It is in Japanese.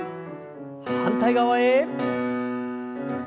反対側へ。